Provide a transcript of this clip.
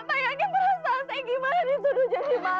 tak yakin perasaan saya gimana disuduh jadi maling